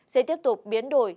sẽ tiếp tục biến đổi